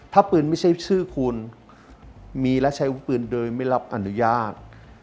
ถ้าปืนไม่ใช่ชื่อคุณมีและใช้วุฒิปืนโดยไม่รับอนุญาต